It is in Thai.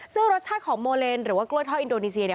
ซึ่งรสชาติของโมเลนหรือว่ากล้วยทอดอินโดนีเซียเนี่ย